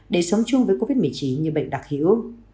để sống chung với covid một mươi chín như bệnh đặc hữu